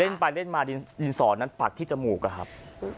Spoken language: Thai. เล่นไปเล่นมาดินสอนั้นปักที่จมูกอะครับ